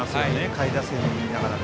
下位打線にいながら。